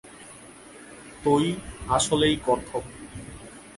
তোই আসলেই গর্দভ।